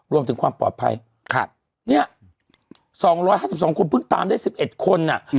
รวมถึงความปลอดภัยเนี่ย๒๕๒คนเพิ่งตามได้๑๑คนอ่ะ